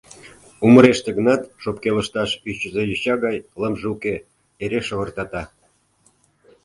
Умыреште гынат, шопке лышташ ӱчызӧ йоча гай, лымже уке — эре шывыртата.